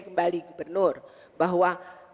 kembali gubernur bahwa